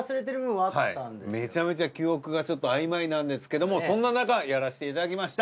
はいめちゃめちゃ記憶がちょっとあいまいなんですけどもそんななかやらせていただきました。